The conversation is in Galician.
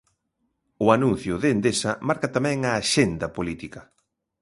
O anuncio de Endesa marca tamén a axenda política.